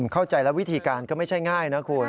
เข้าใจแล้ววิธีการก็ไม่ใช่ง่ายนะคุณ